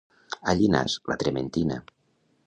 A Llinars la trementina